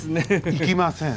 行きません。